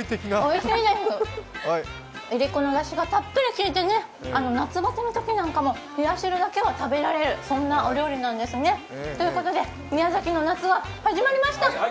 おいしいです、いりこのだしがたっぷりきいて、夏バテのときなんかも冷や汁だけは食べられる、そんなお料理なんですね。ということで宮崎の夏が始まりました。